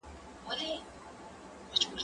زه پرون ونې ته اوبه ورکړې؟!